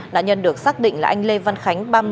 nạn nhân được xác định là anh lê văn khánh